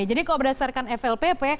jadi kalau berdasarkan flpp